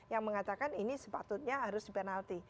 yang mengatakan ini sepatutnya harus penalti